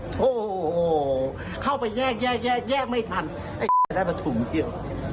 โถเข้าไปแยกไม่ทันไอ้ได้มาถุงเที่ยว